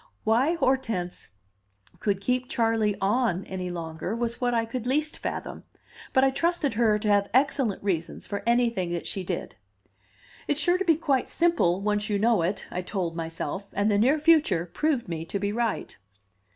Why Hortense should keep Charley "on" any longer, was what I could least fathom, but I trusted her to have excellent reasons for anything that she did. "It's sure to be quite simple, once you know it," I told myself; and the near future proved me to be right.